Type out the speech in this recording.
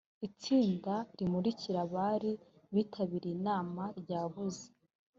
itsinda rimurikira abari bitabiriye inama ryabuze.